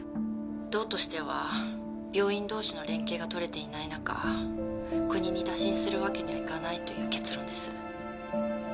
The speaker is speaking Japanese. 道としては病院同士の連携がとれていない中国に打診するわけにはいかないという結論です。